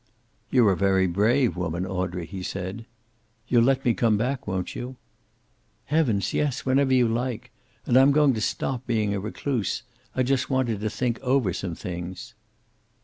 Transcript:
"You're a very brave woman, Audrey," he said. "You'll let me come back, won't you?" "Heavens, yes. Whenever you like. And I'm going to stop being a recluse. I just wanted to think over some things."